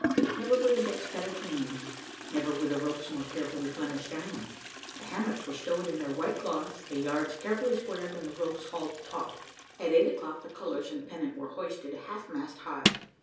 Never were the decks better cleaned, never were the ropes more carefully flemished down; the hammocks were stowed in their white cloths, the yards carefully squared, and the ropes hauled taut. At eight o'clock the colours and pennant were hoisted half mast high.